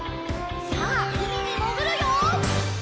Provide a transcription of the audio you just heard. さあうみにもぐるよ！